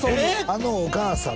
あのお母さん